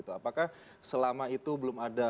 apakah selama itu belum ada